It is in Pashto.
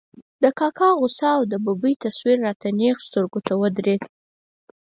د کاکا غوسه او د ببۍ تصویر را ته نېغ سترګو ته ودرېد.